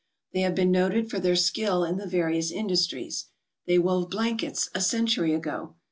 They have been noted for their skill in the various industries. They wove blankets a century ago.